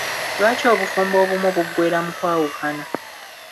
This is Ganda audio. Lwaki obufumbo obumu buggwera mu kwawukana?